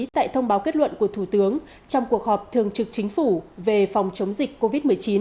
tại thông báo kết luận của thủ tướng trong cuộc họp thường trực chính phủ về phòng chống dịch covid một mươi chín